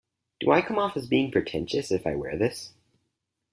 Do I come across as being pretentious if I wear this?